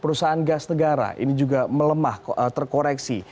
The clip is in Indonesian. perusahaan gas negara ini juga melemah terkoreksi